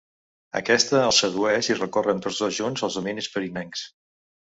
Aquesta el sedueix i recorren tots dos junts els dominis pirinencs.